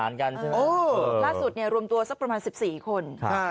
ล่าสุดรวมตัวประมาณสัก๑๔คน